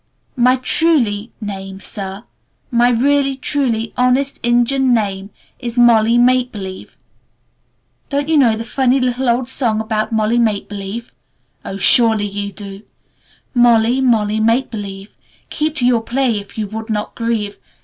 My truly name, Sir, my really, truly, honest injun name is 'Molly Make Believe'. Don't you know the funny little old song about 'Molly Make Believe'? Oh, surely you do: "'Molly, Molly Make Believe, Keep to your play if you would not grieve!